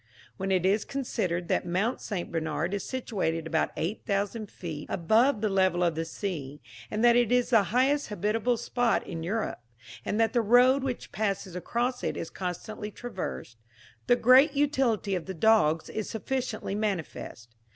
When it is considered that Mount St. Bernard is situated about 8000 feet above the level of the sea, and that it is the highest habitable spot in Europe, and that the road which passes across it is constantly traversed, the great utility of the dogs is sufficiently manifest.